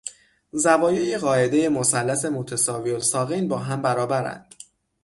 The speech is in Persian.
زوایای قاعدهی مثلث متساویالساقین با هم برابرند.